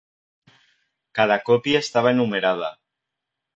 Cada copia estaba numerada.